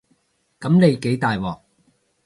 噉你幾大鑊